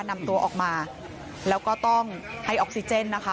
นำตัวออกมาแล้วก็ต้องให้ออกซิเจนนะคะ